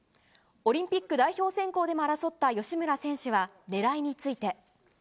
オリンピック代表先行でも争った吉村選手は狙いについて。